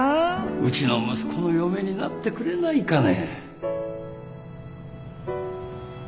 うちの息子の嫁になってくれないかね